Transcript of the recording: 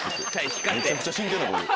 めちゃくちゃ真剣な顔で。